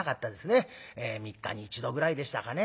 ３日に１度ぐらいでしたかね。